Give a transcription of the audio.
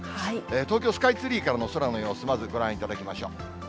東京スカイツリーからの空の様子、まずご覧いただきましょう。